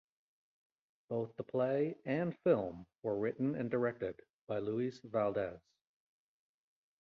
Both the play and film were written and directed by Luis Valdez.